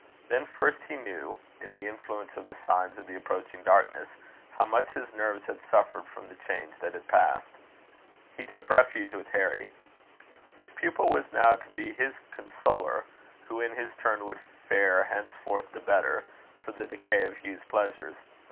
Then first he knew, in the influence of the signs of the approaching darkness, how much his nerves had suffered from the change that had passed. He took refuge with Harry. His pupil was now to be his consoler; who in his turn would fare henceforth the better, for the decay of Hugh's pleasures.